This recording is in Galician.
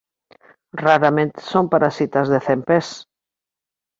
Raramente son parasitas de cempés.